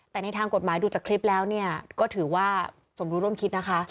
แต่ในทางกฎหมายดูจากคลิปแล้วเนี่ยก็ถือว่าสมรู้ร่วมคิดนะคะ